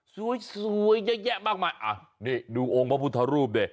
สวยแยะมากมายนี่หนูองค์พระพุทธรูป